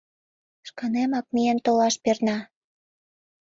Шканемак миен толаш перна.